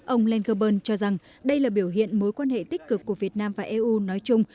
ông linkerburn cho rằng đây là biểu hiện mối quan hệ tích cực của việt nam và eu nói chung